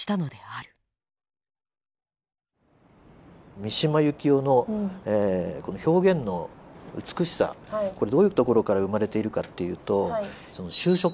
三島由紀夫のこの表現の美しさこれどういうところから生まれているかっていうと修飾。